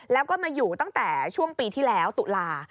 แล้วก็มาอยู่ตั้งแต่ช่วงปีที่แล้วตุลา